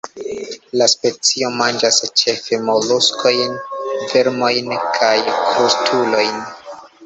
La specio manĝas ĉefe moluskojn, vermojn kaj krustulojn.